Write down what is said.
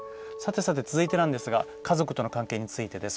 続いてなんですが家族との関係についてです。